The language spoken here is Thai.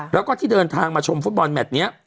แล้วก็ที่เดินทางมาชมฟุตบอลแมทนี้